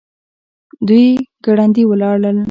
دوی ګړندي ولاړل.